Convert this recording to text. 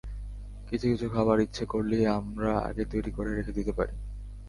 কিছু কিছু খাবার ইচ্ছে করলেই আমরা আগে তৈরি করে রেখে দিতে পারি।